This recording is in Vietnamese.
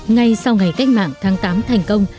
ngay sau ngày cách mạng tháng tám thành công